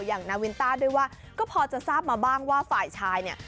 นาวินต้าด้วยว่าก็พอจะทราบมาบ้างว่าฝ่ายชายเนี่ย